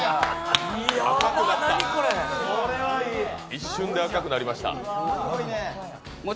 一瞬で赤くなりました。